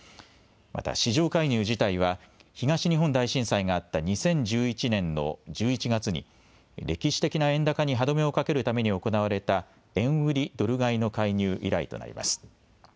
また市場介入自体は東日本大震災があった２０１１年の１１月に歴史的な円高に歯止めをかけるために行われた円売りドル買いの介入以来となります。